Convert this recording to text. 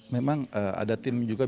memang ada tim juga yang berpikir